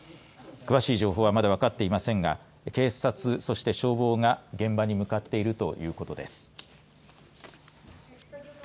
詳しい情報はまだ分かっていませんが警察、そして消防が現場に向かっているということです。